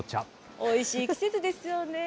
おいしい季節ですよね。